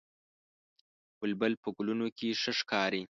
بلبل په ګلونو کې ښه ښکاري